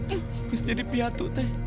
harus jadi piatu te